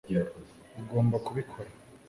ugomba kubikora